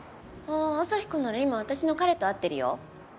アサヒくんなら今私の彼と会ってるよ。